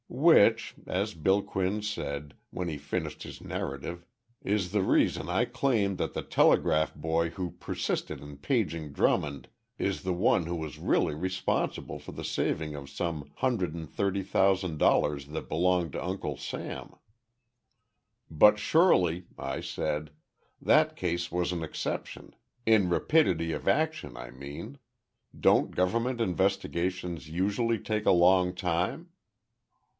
"Which," as Bill Quinn said, when he finished his narrative, "is the reason I claim that the telegraph boy who persisted in paging Drummond is the one who was really responsible for the saving of some hundred and thirty thousand dollars that belonged to Uncle Sam." "But, surely," I said, "that case was an exception. In rapidity of action, I mean. Don't governmental investigations usually take a long time?"